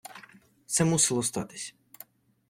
Це мусило статись.